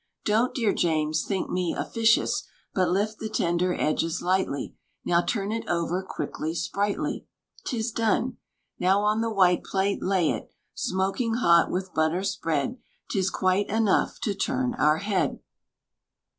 Don't, dear James, think me officious, But lift the tender edges lightly; Now turn it over quickly, sprightly. 'Tis done! Now on the white plate lay it: Smoking hot, with butter spread, 'Tis quite enough to turn our head!